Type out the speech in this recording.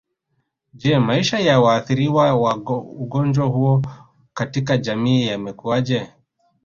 Je maisha ya waathiriwa wa ugonjwa huo katika jamii yamekuaje